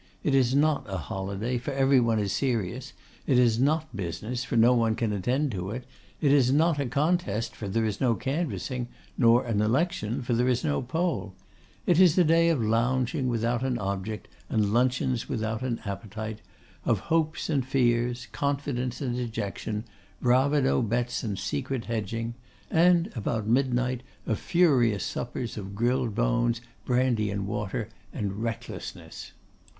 It is not a holiday, for every one is serious; it is not business, for no one can attend to it; it is not a contest, for there is no canvassing; nor an election, for there is no poll. It is a day of lounging without an object, and luncheons without an appetite; of hopes and fears; confidence and dejection; bravado bets and secret hedging; and, about midnight, of furious suppers of grilled bones, brandy and water, and recklessness.